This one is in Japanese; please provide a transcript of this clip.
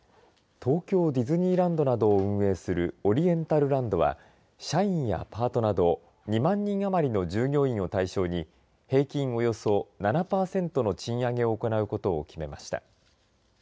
東京ディズニーランドなどを運営するオリエンタルランドは社員やパートなど２万人余りの従業員を対象に平均およそ７パーセントの賃上げを行うことを決めました。